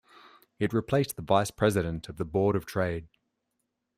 It replaced the Vice-President of the Board of Trade.